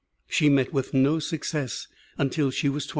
She met with no success until she was 25.